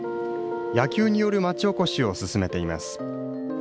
野球による町おこしを進めています。